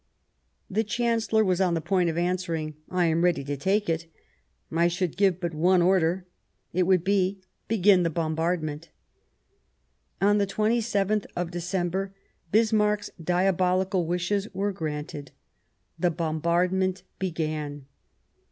The Chancellor was on the point of answering :" I am ready to take it. I should give but one order ; it would be : Begin the bombardment." On the 27th of December Bismarck's diabolical wishes were granted : the bombardment began.